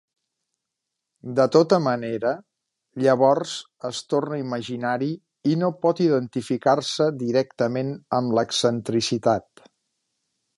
De tota manera, llavors es torna imaginari i no pot identificar-se directament amb l'excentricitat.